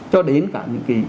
cho đến cả những cái